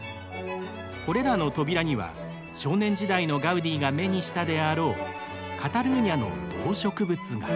これらの扉には少年時代のガウディが目にしたであろうカタルーニャの動植物が。